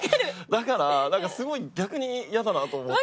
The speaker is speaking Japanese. だからなんかすごい逆にイヤだなと思って。